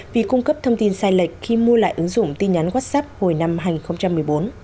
vì cung cấp thông tin sai lệch khi mua lại ứng dụng tin nhắn whatsapp hồi năm hai nghìn một mươi bốn